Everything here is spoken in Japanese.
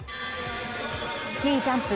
スキージャンプ